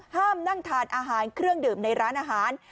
ห้ามนั่งทานอาหารเครื่องดื่มในร้านอาหาร